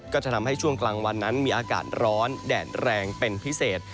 ก็จะทำให้ช่วงกลางวันนั้นมีอากาศร้อนแดดแรงเป็นพิเศษ